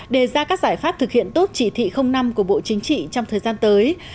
đề ra các giải pháp thực hiện tốt chỉ thị năm của bộ chính trị trong thời gian tới